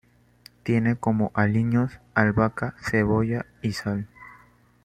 Tiene como aliños: albahaca, cebolla y sal.